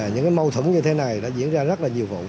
những cái mâu thửng như thế này đã diễn ra rất là nhiều vụ